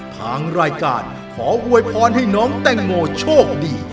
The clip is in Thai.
ทางรายการขออวยพรให้น้องแตงโมโชคดี